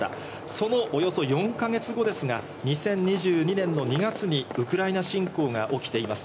そのおよそ４か月後ですが、２０２２年の２月にウクライナ侵攻が起きています。